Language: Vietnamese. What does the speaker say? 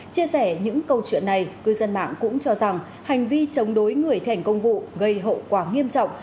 chia sẻ những câu chuyện này cư dân mạng cũng cho rằng hành vi chống đối người thành công vụ gây hậu quả nghiêm trọng